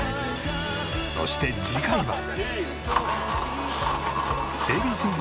そして次回は。